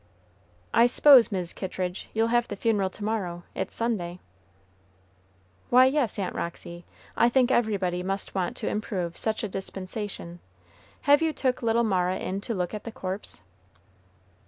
"I s'pose, Mis' Kittridge, you'll have the funeral to morrow, it's Sunday." "Why, yes, Aunt Roxy, I think everybody must want to improve such a dispensation. Have you took little Mara in to look at the corpse?"